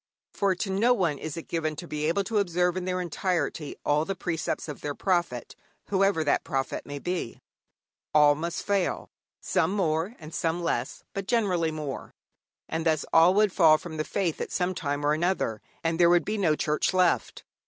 For to no one is it given to be able to observe in their entirety all the precepts of their prophet, whoever that prophet may be. All must fail, some more and some less, but generally more, and thus all would fall from the faith at some time or another, and there would be no Church left.